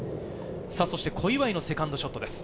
そして、小祝のセカンドショットです。